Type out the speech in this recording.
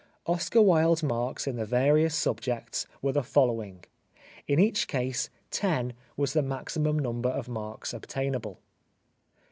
Oscar Wilde's marks in the various subjects were the following. In each case lo was the maximum number of marks obtainable.